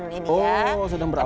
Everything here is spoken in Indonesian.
oh sedang berawal